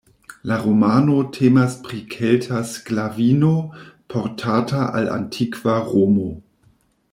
La romano temas pri kelta sklavino, portata al antikva Romo.